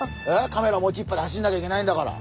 カメラ持ちっぱで走んなきゃいけないんだから。